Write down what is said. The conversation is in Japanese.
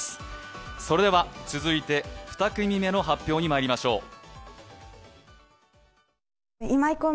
続いて２組目の発表にまいりましょう。